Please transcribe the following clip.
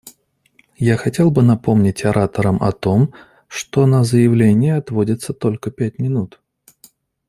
Я хотел бы напомнить ораторам о том, что на заявления отводится только пять минут.